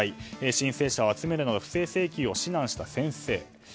申請者を集めるなど不正請求を指南した先生